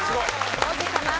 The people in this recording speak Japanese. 王子様